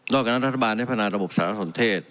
จากนั้นรัฐบาลได้พัฒนาระบบสารสนเทศ